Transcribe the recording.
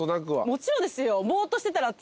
もちろんですよ！